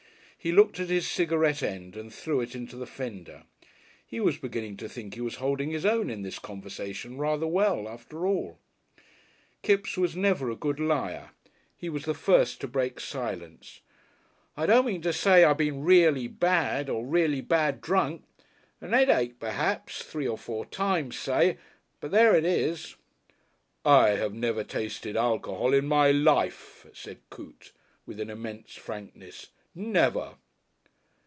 He looked at his cigarette end and threw it into the fender. He was beginning to think he was holding his own in this conversation rather well, after all. Kipps was never a good liar. He was the first to break silence. "I don't mean to say I been reely bad or reely bad drunk. A 'eadache perhaps three or four times, say. But there it is!" "I have never tasted alcohol in my life," said Coote, with an immense frankness, "never!"